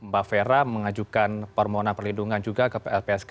pak fera mengajukan permohonan perlindungan juga ke lpsk